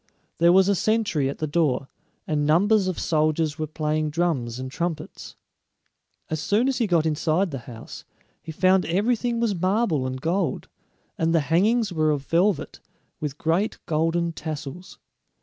There was a sentry at the door, and numbers of soldiers were playing drums and trumpets. As soon as he got inside the house, he found everything was marble and gold; and the hangings were of velvet, with great golden tassels.